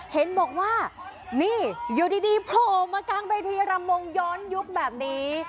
เห็นบอกว่านี่อยู่ดีโผล่มากลางเวทีรำวงย้อนยุคแบบนี้